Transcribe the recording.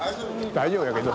大丈夫やけど。